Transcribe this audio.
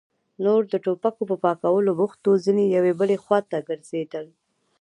نور د ټوپکو په پاکولو بوخت وو، ځينې يوې بلې خواته ګرځېدل.